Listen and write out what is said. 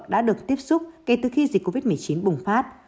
đã được tiếp xúc kể từ khi dịch covid một mươi chín bùng phát